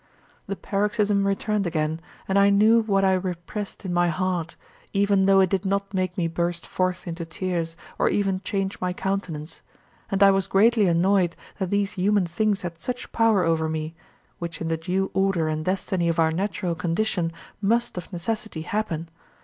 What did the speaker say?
The paroxysm returned again, and I knew what I repressed in my heart, even though it did not make me burst forth into tears or even change my countenance; and I was greatly annoyed that these human things had such power over me, which in the due order and destiny of our natural condition must of necessity happen.